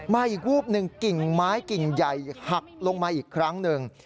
อีกวูบหนึ่งกิ่งไม้กิ่งใหญ่หักลงมาอีกครั้งหนึ่ง